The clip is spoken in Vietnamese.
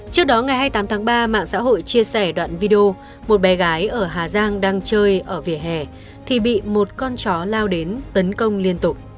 trước đó ngày hai mươi tám tháng ba mạng xã hội chia sẻ đoạn video một bé gái ở hà giang đang chơi ở vỉa hè thì bị một con chó lao đến tấn công liên tục